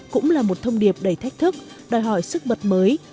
cũng là một thông điệp đầy thách thức đòi hỏi sức mật mới